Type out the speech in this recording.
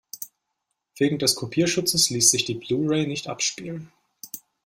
Wegen des Kopierschutzes ließ sich die Blu-ray nicht abspielen.